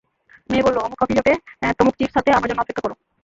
মেয়ে বললো অমুক কফিশপে, তমুক চিপস হাতে আমার জন্য অপেক্ষা কোরো।